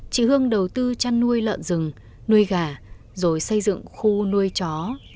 chị hương đầu tư chăn nuôi lợn rừng nuôi gà rồi xây dựng khu nuôi chó